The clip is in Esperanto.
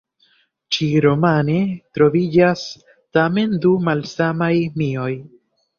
Ĉi-romane troviĝas tamen du malsamaj mioj.